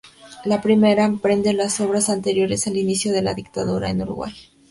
La primera comprende las obras anteriores al inicio de la dictadura en Uruguay.